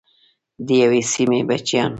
د یوې سیمې بچیان.